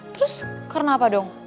terus karena apa dong